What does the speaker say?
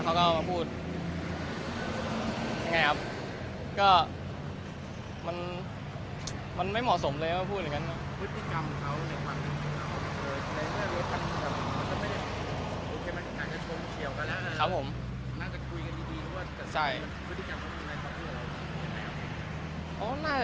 อันนี้มันไม่เหมาะสมกับพูดรึยัง